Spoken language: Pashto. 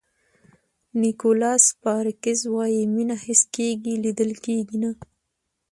نیکولاس سپارکز وایي مینه حس کېږي لیدل کېږي نه.